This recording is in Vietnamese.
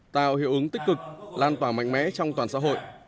tạo hiệu ứng tích cực lan tỏa mạnh mẽ trong toàn xã hội